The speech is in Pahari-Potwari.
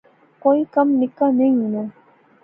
کوئی کم نکا نی ہونا